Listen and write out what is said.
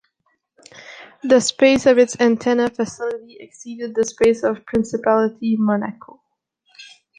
The space of its antenna facility exceeded the space of principality Monaco.